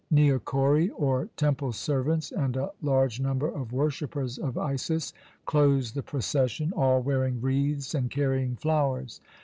Neokori, or temple servants, and a large number of worshippers of Isis, closed the procession, all wearing wreaths and carrying flowers.